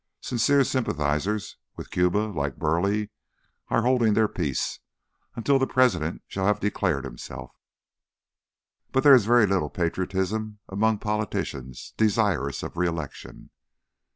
Sincere sympathizers with Cuba, like Burleigh, are holding their peace until the President shall have declared himself, but there is very little patriotism amongst politicians desirous of re election.